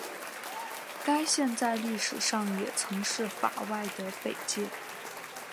该线在历史上也曾是法外的北界。